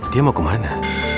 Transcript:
dia mau kemana